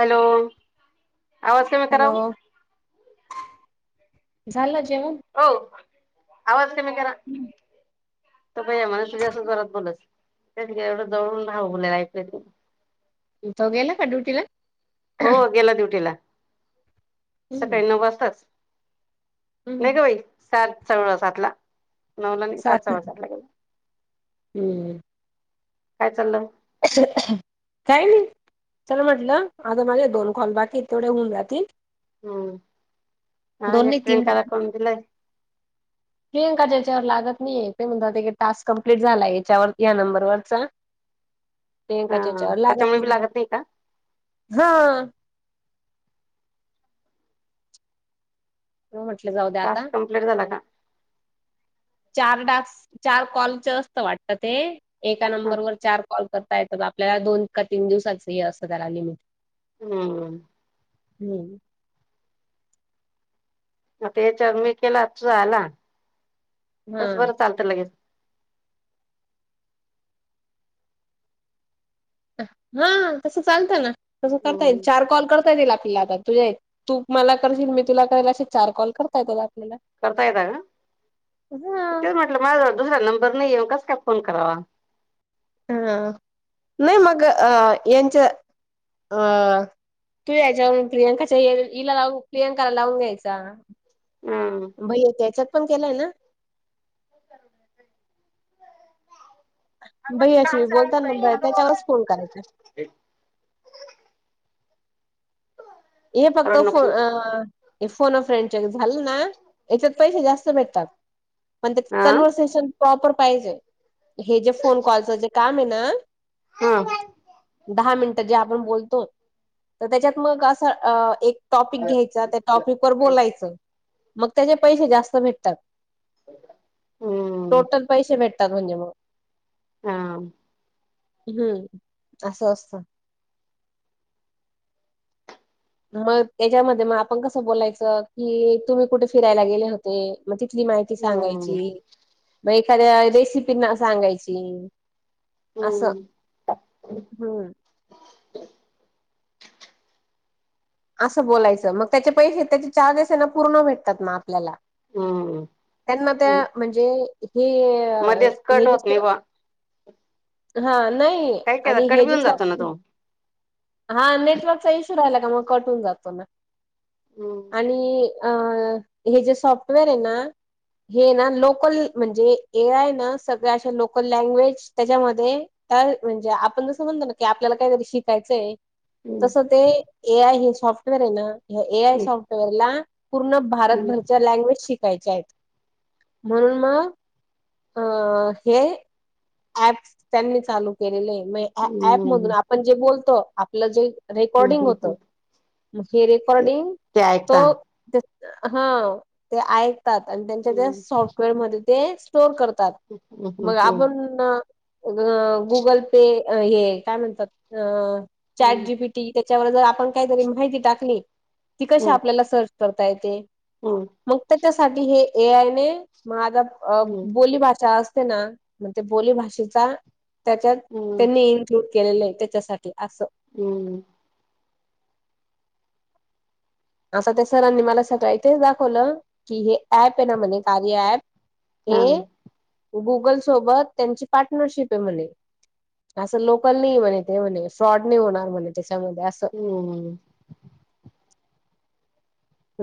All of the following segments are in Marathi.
हॅलो आवाज कमी हॅलो कराव झालं जेवण. ओ आवाज कमी करा. [unintelligible] तो गेला का ड्युटीला. हो गेला ड्युटीला हम्म सकाळी नऊ वाजताच. नाही हम्म गं बाई सात सव्वासातला नऊला नाही सात सव्वासातला गेला. हम्म काय चाललंय. काय नाही चल म्हटलं आता माझे दोन कॉल बाकी येतं तेवढे होऊन जातील. हम्म आज दोन नाही तीन एकट्याला बाकी काम दिलंय. प्रियंका ज्याच्यावर लागत नाहीये ते म्हणतात ते टास्क कम्प्लीट झालाय याच्यावर या नंबरवररचा. प्रियंकाच्या हा याच्यावर लागत त्याच्यामुळे बी नाही का हे हा म्हनून म्हटलं जाऊ द्या आता टास्क कंप्लीट झाला का चार डाक्स चार कॉलच असत वाटत ते एका हं नंबरवर चार कॉल करता येतात आपल्याला दोन का तीन दिवसाच हे असंत त्याला लिमिट. हम्म हम्म आता याच्यावर मी केला तुझा आला तस हा बरं चालतं लगेच. हा तसं चालतंय ना तसं करता येईल हम्म चार कॉल करता येतील आपल्याला आता. तुझ्या तू मला करशील मी तुला करेल असे चार कॉल करता येतात आपल्याला. करता येतात का हा तेच म्हटलं माझ्याजवळ दुसरा नंबर नाही मग कसा काय फोन करावा. हा नाही मग अ यांच्या अ तू याच्या वरूण प्रियांकाच्या हिला लावून प्रियांकाला लावून घ्यायचा. हम्म भैय्याच्या याच्यात पण केलाय ना. आम्हाला भैय्या काम शी चालू आहे बाई बोलताना हॅलो. त्याच्यावरच फोन करायचा. हे फक्त रडू फो नको अ फ्रेंड हे झालं ना याच्यात पैसे जास्त भेटतात पण त्याच्यात आ कन्वरर्सेशन प्रॉपर पाहिजे हे जे फोन कॉलच जे काम हाय ना हा दहा मिनिटं जे आपण बोलतो तर त्याच्यात मग असं एक टॉपिक घ्यायचा त्या टॉपिक वर बोलायचं मग त्याचे पैसे जास्त भेटतात. हम्म टोटल पैसे भेटतात म्हणजे मग हा हम्म असं असतं. मग त्याच्यामध्ये मग आपण कसं बोलायचं की तुम्ही कुठे फिरायला गेले हो ते मग तिथली माहिती हम्म सांगायची. मग एखाद्या रेसिपीना सांगायची असं. हम्म हम्म. असं बोलायचं मग त्याचे पैसे त्याचे चार्जेस आहे ना पूर्ण भेटतात म आपल्याला. हम्म त्यांना हम्म. त्या म्हणजे हे मध्येच हे कट होत नाही दिसल बुवा हा नाई काय केला आणि कट हे बी जे होऊन जातो ना सॉफ्टवेअर तो. हा नेटवर्कचा इश्यू राहिला का मग कट होऊन जातो ना. हम्म! आणि हे जे सॉफ्टवेअर आहे ना हे ना लोकल म्हणजे एआय ना सगळ्या अशा लोकल लँग्वेज त्याच्यामध्ये तर म्हणजे आपण जसं म्हणतो ना की आपल्याला काहीतरी शिकायचंय. हम्म तसं ते ए आय हे सॉफ्टवेअर हाय ना ए आय सॉफ्टवेअर ला पूर्ण हम्म भारतभरच्या लँग्वेज शिक वायच्या आहेत म्हणून मग अ हे ऍप त्यांनी चालू केलेली आहे म ऍप मधून हम्म आपण जे बोलतो आपल्याला जे हम्म रेकॉर्डिंग हम्म होत हम्म. मग हे रेकॉर्डिंग ते ऐकता तो हा ते ऐकतात आणि त्यांच्या त्या हम्म सॉफ्टवेअरमध्ये ते ते का करतात. हम्म मग हम्म आपण गुगल पे हे काय म्हणतात चाट हम्म जीपी टी त्याच्यावर जर आपण काहीतरी माहिती टाकली ती कशी आपल्याला सर्च करता येते. हम्म! मग त्याच्यासाठी हे एआय ने मग आता हम्म बोली भाषा असते ना. मग ते बोली भााषेचा त्याच्यात हम्म त्यांनी इन्क्लूड केलेलं आहे त्याच्यासाठी असं. हम्म! आता त्या सरांनी मला सगळं इथेच दाखवलं की हे ऍप आहे ना म्हणे कार्य ऍप हा हे हम्म गुगल सोबत त्यांची पार्टनरशिप आहे म्हणे. असं लोकल नाही म्हणे ते म्हणे फ्रॉड नाही होणार म्हणे त्याच्यामध्ये असं. हम्म!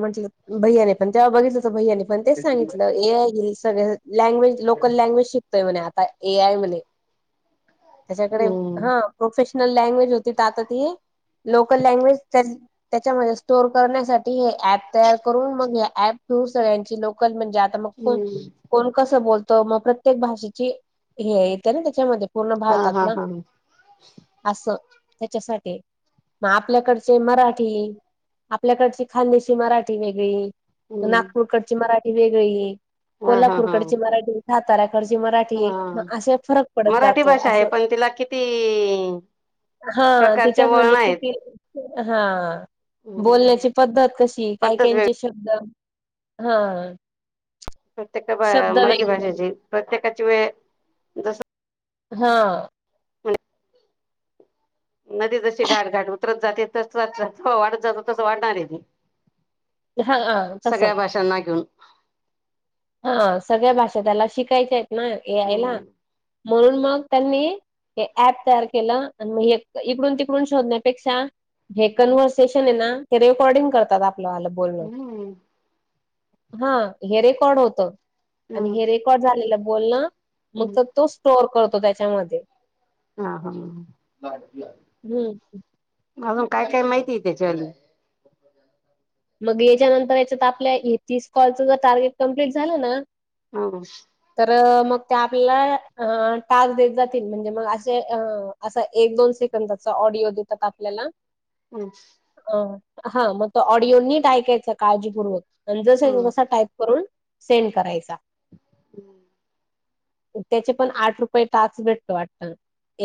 म्हटलं भैयाने पण तेव्हा बघितलं तर भैयानी पण तेच सांगितलं ए आय ही सगळं लँग्वेज लोकल लँग्वेज शिकतय म्हणे आता ए आय म्हणे. त्याच्याकडे हम्म. हा प्रोफेशनल लँग्वेज होती ती आता ती लोकल लँग्वेज त्याच्यामध्ये स्टोअर काढण्यासा ठी ऍप तयार करून मग ह ऍप थू सगळ्यांची लोकल म्हणजे आता मग को हम्म कोण कसं बोलतो मग प्रत्येक भाषेची हे येत ना त्याच्यामध्ये पूर्ण हा हा भारतातला हा असं त्याच्यासाठी हाय. मग आपल्याकडचे मराठी आपल्याकडचे खानदेशी मराठी वेगळी हम्म नागपूरकडची मराठी वेगळी. हा हा कोल्हापूर हा कडची मराठी साताऱ्या कडची मराठी हा. म अस फरक पडत मराठी जातो भाषा आहे असं. पण तिला किती हा प्रकारचे तिच्यात वळण म्हणजे किती हा. हम्! पद्धत कशी आहे काय काययांचे शब्द हा. प्रत्येका मराठी भाषेची प्रत्येकाची वेळ जस हा! [inaudible] नदी जशी घाट घाट उतरत जाते तस वाढत जातो तस वाढणार आहे ते. हा हा तस. [unintelligible] हा सगळ्या भाषा त्याला शिकायच्या आहेत ना ए आय ला म्हणून मग त्यांनी हे ऍप तयार केलं आणि मग इकडून तिकडून शोधण्यापेक्षा हे कन्वर्सेशन आहे ना ते रेकॉर्डिंग करतात आपलं बोलणं. हम्म हा हे रेकॉड होत. आणि हम्म हे रेकॉर्ड झालेलं बोलन मग तर तो स्टोअर करतो त्याच्यामध्ये. हा हा, म हं. अजून काय काय माहितीय त्याच्यावाली? मग याच्यानंतर याच्यात, आपल्या हे तीस कॉलच जर टार्गेट कम्प्लीट झालं ना? हं. तर मग त्या आपल्याला, अ टास्क देत जातील म्हणजे मग अशे अ असा एक-दोन सेकंदाचा ऑडिओ देतात, आपल्याला हम्. अ, हा मग त ऑडिओ नीट ऐकायच काळजीपूर्वक जस जसा टाय करून, सेंड करायचा. हम्म. त्याचे पण आठ रुपये टास्क भेटतो वाटत,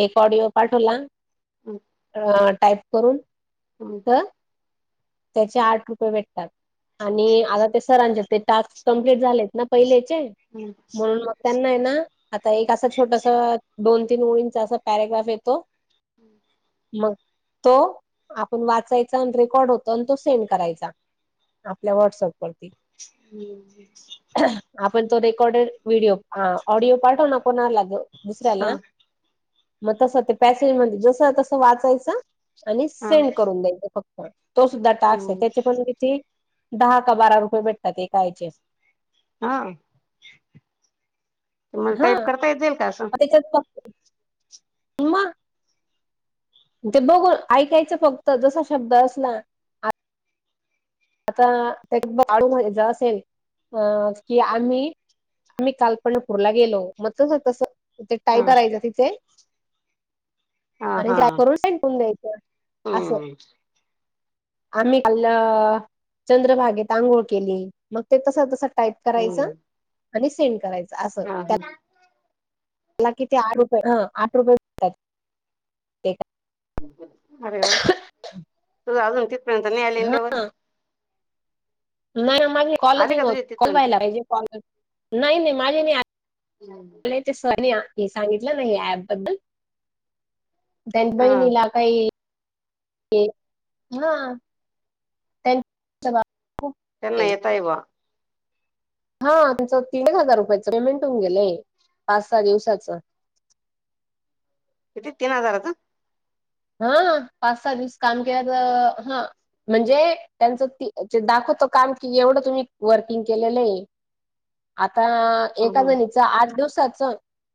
एक ऑडिओ पाठवला हम. टाईप करून हम. तर त्याचे आठ रुपये भेटतात आणि आता ते सरांचे ते टास्क कंप्ललीट झालेत ना पहिलेचे ये म्हणून मग त्यांना ना, आता एक असं छोटस दोन-तीन ओळीचा असा पॅराग्राफ येतो हम्म [inaudible] मग तो आपण वाचायचा अन रेकॉर्ड होतो. पण तो सेंड करायचा आपल्या व्हॉट्सअप वरती. हम्म. आपण तो रेकॉर्डेड व्हिडिओ हा ऑडिओ पाठव ना कोणाला ग दुसऱ्याला? मग तसं ते पॅसेंज मध्ये जसं तसं वाचायचं. आणि सेंड करून द्यायचे फक्त, तो सुद्धा टास्क ये त्याचे पण कि ते दहा का बारा रुपये भेटतात एका याचे. हा तुमला टाईप करता येतीलईल का असं? तेच्याच फक्त तेे बघून ऐकायचं फक्त, जसा शब्द असला आता ऑडिओ मध्ये जर असेल, की आम्ही आम्ही काल पंढरपूरला गेलो, मग तस तस ते टाईप हा करायच तिथे. हा आणि हा त्या ऍप वरून सेंड करून द्यायचं, असं. हम्म आम्ही काल चंद्रभागेत आंघोळ केली, मग ते तस तस टाईप करायच हम्म आणि सेंड करायच अस हा हा मला किती आठ रुपये, आठ रुपये भेटतात, ते करा अरे हो, तुझ अजून तिथपर्यंत नाही आली ना लेवल? हा नाही माझे कॉल आली नही का होत, तुझी कॉल तिथपर्यंत व्हायला पाहिजे कॉलवर नाही नाही माझे नाही आले हम. त्याच्या सर नी सांगितलं ना अँप बद्दल, त्यान हा बहिणीला काही, एक हां. त्यांना येतयबा. हा त्यांचं तीन एक हजार रुपयाच पेमेंट होऊन गेलंय, पाच सहा दिवसाचं. किती तीन हजारच? हा पाच सात-दिस काम केलं तर, हं म्हणजे त्यांचं ती तें दाखवतो काम कि एवढं तुम्ही वर्किंग केलेलं ये. आता एका चांगलं जणी च, आठ दिवसाच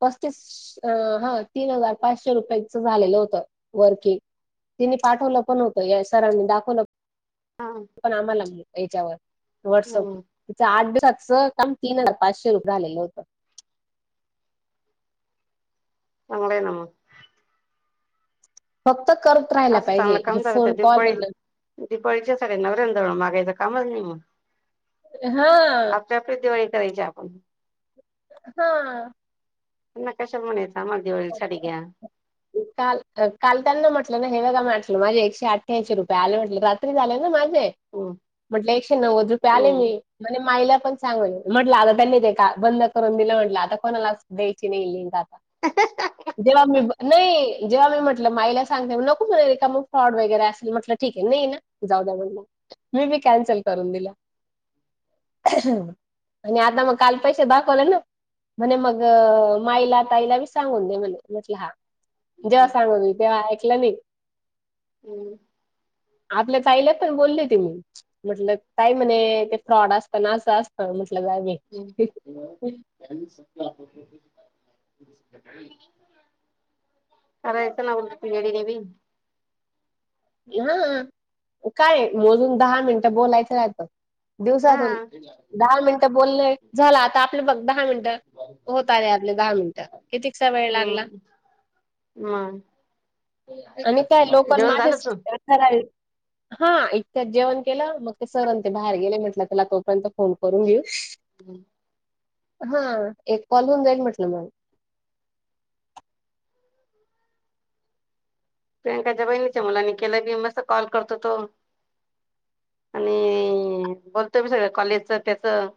पस्तीस श, हां तीन हजार, पाचशे रुपयाच झालेलं होतं वर्किंग, तिने पाठवलं पण होतं या सरांनी दाखवलं पण आम्हाला याच्यावर व्हॉट्सअप तिचं आठ दिसचं काम, तीन हजार पाचशे रुपये झालेलं होतं. चांगलय ना मग. फक्त करत राहायला पाहिजे, हे फोन कॉलये ना दिपोळीच्या साड्या नवऱ्याजवळ मागायचं कामचं नाही मग हं आपली आपली दिवाळी करायची आपण हां त्यांना कशाला म्हणायच आम्हाला दिवाळील साडी घ्या काल काल त्यांना म्हटलं ना हेंना का म्हटलं माझे एकशे अठ्ठ्याऐंशी रुपये आले म्हटले रात्रीच आले ना माझे म्हटलं एकशे नव्वद रुपये हम्म, आलेले म्हणे माईला पण सांगू म्हटलं आता त्यांनी ते का बंद करून दिलं म्हटलं आता कोणाला द्यायची नाही लिंक आ जेव्हा मी नाही जेव्हा मी म्हटलं माईला सांगते नको म्हने रिकामं फ्रॉड वगैरे असेल म्हटलं ठीकय नाही ना जाऊ द्या म्हटल मी बी कॅन्सल करून दिलं [inaudible] आणि आता मग काल पैसे दाखवले ना म्हणे मग माईला ताईला बी सांगून दे म्हणे म्हटलं हा जेव्हा हम्म, सांगत होते तेव्हा ऐकलं नाही हम् आपल्या ताईला पण बोलले होते मी म्हटलं ताई म्हणे ते फ्रॉड असतं ना असं असतं जाऊदे ली सत्ता [unintelligible] [inaudible] करायचं ना त्या वेडीनं बी हा काय? मोजून दहा मिनटं बोलायचं राहतं हा दिवसातून दहा मिनटं बोलय झालं आता आपले बघ दहा मिनटं होत आले आपले दहा मिनिटं कितीकसा वेळ लागला? हम जेवण झालं का? फराळी हा इतक्यात जेवण केलं मग ते सरन ते बाहेर गेले म्हटंल चला तोपर्यंत फोन करून घेऊ हम्म हा एक कॉल होऊन जाईल म्हटलं मग प्रियांकाच्या बहिणीच्या मुलानी केला बी मस्त कॉल करतो तो आणि बोलतो बी सगळं कॉलेजच त्याचं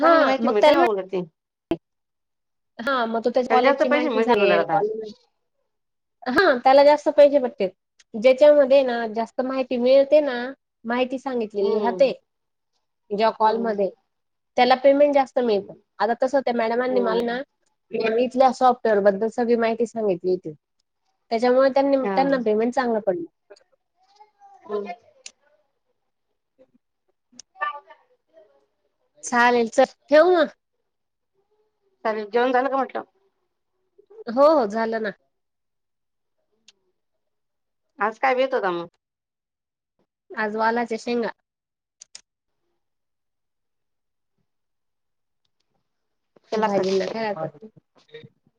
चांगली हा माहिती मग मिळते त्याला ना म्हण उलट ती हा मग तो त्या त्याला जास्त कॉलेजची पैसे माहिती मिळतील उलट सांगेल आता [unintelligible] हा त्याला जास्त पैशे भेटतेत ज्याच्यामध्येय ना जास्त माहिती मिळते ना माहिती सांगितलेली हम्म राहते ज्या हम्म कॉलमध्ये त्याला पेमेंट जास्त मिळतं आता तसं त्या मॅडमांनी मला ना हम्म मी इथल्या सॉफ्टवेअर बद्दल सगळी माहिती सांगितली होती त्याच्यामुळं त्यांनी त्यांना पेमेंट चांगलं पडलं हं ह [inaudible] पाहीन [unintelligible] [inaudible] चालेल चल ठेवू मग? चालेल जेवण झालं का म्हटलं? हो हो झालं ना आज काय बेत होता म? आज वालाच्या शेंगा केला भाजींना कट काय आता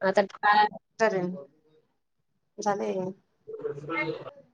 आता काय े [unintelligible] झाले प्रसप [unintelligible] [inaudible]